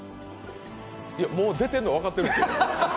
いやもう出てんの分かってる。